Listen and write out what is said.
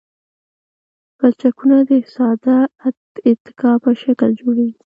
پلچکونه د ساده اتکا په شکل جوړیږي